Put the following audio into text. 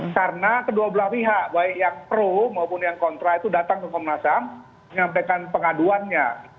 karena kedua belah pihak baik yang pro maupun yang kontra itu datang ke komnas ham menyampaikan pengaduannya